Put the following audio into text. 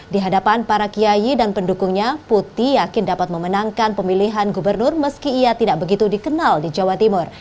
di hadapan para kiai dan pendukungnya putih yakin dapat memenangkan pemilihan gubernur meski ia tidak begitu dikenal di jawa timur